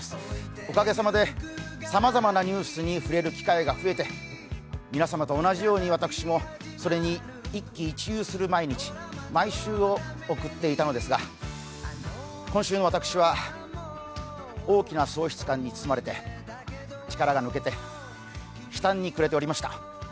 おかげさまで、さまざまなニュースに触れる機会が増えて皆様と同じように私もそれに一喜一憂する毎日、毎週を送っていたのですが、今週も私は、大きな喪失感に包まれて、力が抜けて悲嘆に暮れておりました。